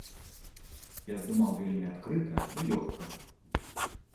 Я здымаў вельмі адкрыта і лёгка.